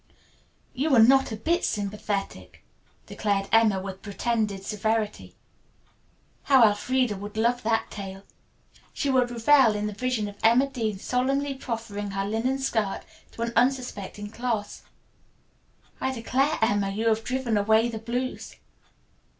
"You're not a bit sympathetic," declared Emma with pretended severity. How Elfreda would love that tale. She would revel in the vision of Emma Dean solemnly proffering her linen skirt to an unsuspecting class. "I declare, Emma, you have driven away the blues."